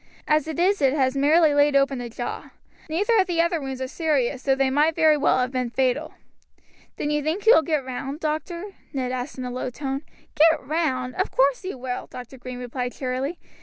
As it is it has merely laid open the jaw. Neither of the other wounds are serious, though they might very well have been fatal." "Then you think he will get round, doctor?" Ned asked in a low tone. "Get round! Of course he will," Dr. Green replied cheerily.